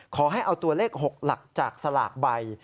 ขอให้เอาตัวเลข๖หลักจากสลากใบ